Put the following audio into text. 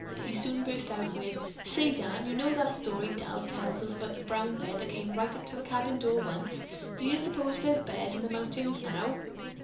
He soon burst out with, "Say, Dan, you know that story Dad tells about a brown bear that came right up to the cabin door once. Do you suppose there's bears in those mountains now?"